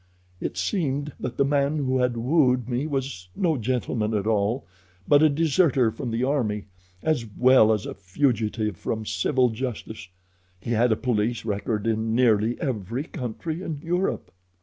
It seemed that the man who had wooed me was no gentleman at all, but a deserter from the army as well as a fugitive from civil justice. He had a police record in nearly every country in Europe.